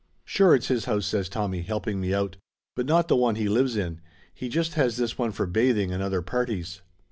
"Sure it's his house !" says Tommy, helping me out. "But not the one he lives in. He just has this one for bathing and other parties."